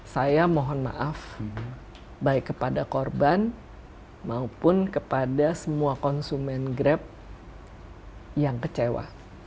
saya mohon maaf baik kepada korban maupun kepada semua konsumen grab yang kecewa